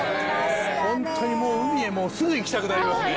ホントにもう海へすぐ行きたくなりますね。